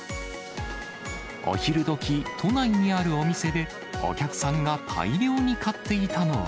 お昼どき、都内にあるお店で、お客さんが大量に買っていたのは。